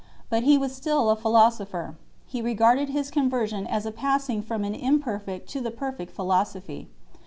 iut he was still a philosopher 3 ; he regarded his conversion as a passing from an imperfect to the perfect philosophy.